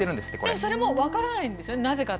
それも分からないんですね、なぜかって。